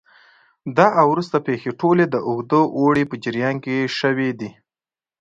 دا او وروسته پېښې ټولې د اوږده اوړي په جریان کې شوې دي